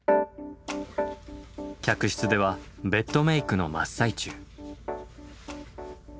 客室ではベッドメークの真っ最中。